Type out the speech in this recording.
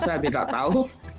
saya tidak tahu